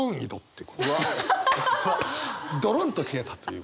ドロンと消えたという。